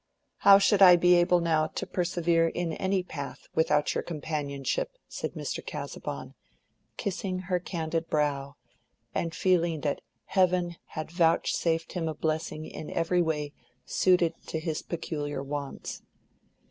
"How should I be able now to persevere in any path without your companionship?" said Mr. Casaubon, kissing her candid brow, and feeling that heaven had vouchsafed him a blessing in every way suited to his peculiar wants.